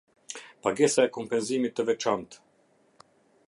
Pagesa e kompensimit të veçantë.